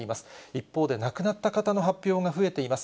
一方で亡くなった方の発表が増えています。